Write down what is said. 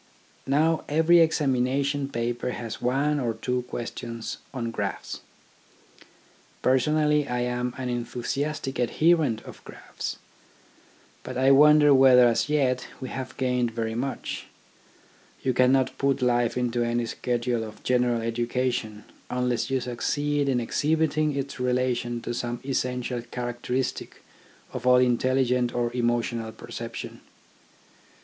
Now every examination paper has one or two questions on graphs. Personally, I am an enthusiastic adherent of graphs. But I wonder whether as yet we have gained very 16 THE ORGANISATION OF THOUGHT much. You cannot put life into any schedule of general education unless you succeed in exhibiting its relation to some essential character istic of all intelligent or emotional perception.